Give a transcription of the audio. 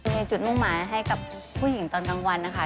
มีจุดมุ่งหมายให้กับผู้หญิงตอนกลางวันนะคะ